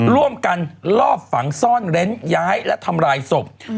ร่วมกันลอบฝังซ่อนเร้นย้ายและทำลายศพ